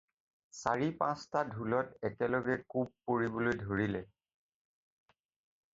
চাৰি-পাঁচটা ঢোলত একেলগে কোব পৰিবলৈ ধৰিলে।